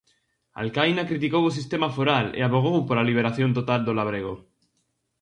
Alcaina, criticou o sistema foral e avogou pola liberación total do labrego.